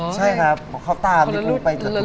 ใช่ครับก็ข้าวตามไปกันทั้งทุกงาน